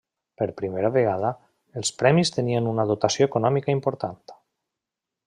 Per primera vegada, els premis tenien una dotació econòmica important.